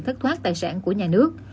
thất thoát tài sản của nhà nước